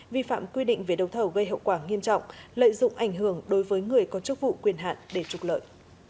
vi phạm quy định về đầu thầu gây hậu quả nghiêm trọng lợi dụng ảnh hưởng đối với người có chức vụ quyền hạn để trục lợi